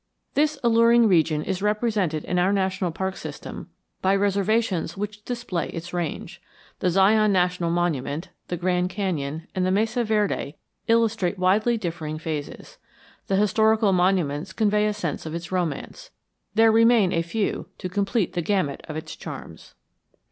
This alluring region is represented in our national parks system by reservations which display its range. The Zion National Monument, the Grand Canyon, and the Mesa Verde illustrate widely differing phases. The historical monuments convey a sense of its romance. There remain a few to complete the gamut of its charms.